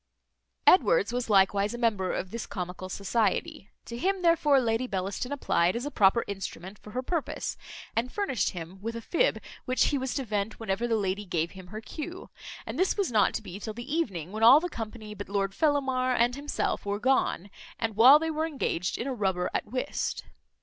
Edwards was likewise a member of this comical society. To him therefore Lady Bellaston applied as a proper instrument for her purpose, and furnished him with a fib, which he was to vent whenever the lady gave him her cue; and this was not to be till the evening, when all the company but Lord Fellamar and himself were gone, and while they were engaged in a rubber at whist.